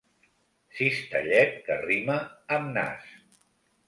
Cistellet que rima amb nas.